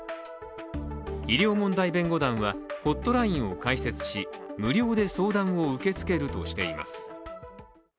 医療問題弁護団は、ホットラインを開設し無料で相談を受け付けるとしています。